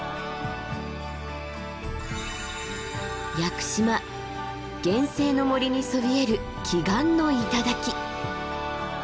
屋久島原生の森にそびえる奇岩の頂。